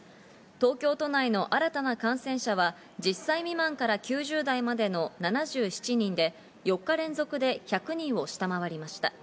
東京都内の新たな感染者は、１０歳未満から９０代までの７７人で４日連続で１００人を下回りました。